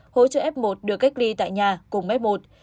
hỗ trợ f một được cách ly tại nhà cùng f một